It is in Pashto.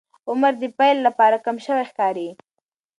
عمر د پیل لپاره کم شوی ښکاري.